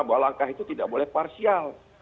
bahwa langkah itu tidak boleh parsial